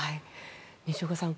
西岡さん